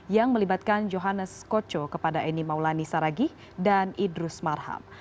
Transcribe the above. yang melibatkan johannes koco kepada eni maulani saragih dan idrus marham